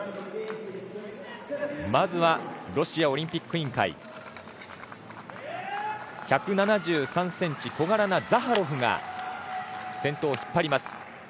まずはロシアオリンピック委員会１７３ｃｍ、小柄なザハロフが先頭を引っ張ります。